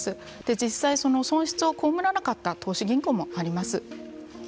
実際損失を被らなかった投資銀行もあります。